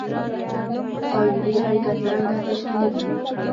آیوني اړیکه څرنګه تشکیلیږي؟